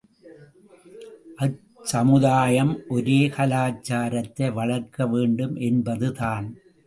அச்சமுதாயம் ஒரே கலாச்சாரத்தை வளர்க்க வேண்டும் என்பதுதான்.